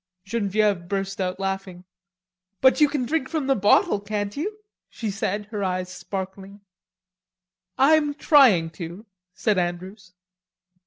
Genevieve burst out laughing. "But you can drink from the bottle, can't you?" she said, her eyes sparkling. "I'm trying to," said Andrews.